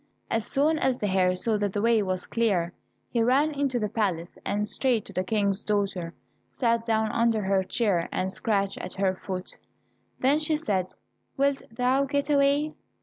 As soon as the hare saw that the way was clear, he ran into the palace and straight to the King's daughter, sat down under her chair, and scratched at her foot. Then she said, "Wilt thou get away?"